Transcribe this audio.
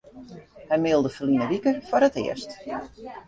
Hy mailde ferline wike foar it earst.